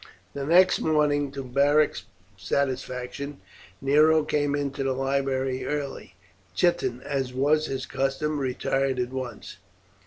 The next morning, to Beric's satisfaction, Nero came into the library early. Chiton, as was his custom, retired at once.